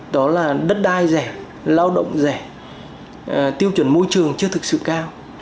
đó là đất đai rẻ lao động rẻ tiêu chuẩn môi trường chưa thực sự cao